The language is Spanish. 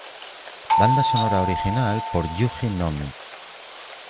Banda sonora original por Yuji Nomi.